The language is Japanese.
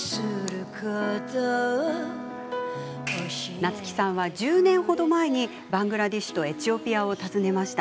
夏木さんは、１０年ほど前にバングラデシュとエチオピアを訪ねました。